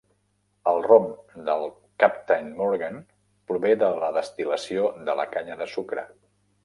El rom de Captain Morgan prové de la destil·lació de la canya de sucre.